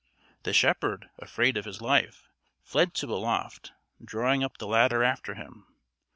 The shepherd, afraid of his life, fled to a loft, drawing up the ladder after him.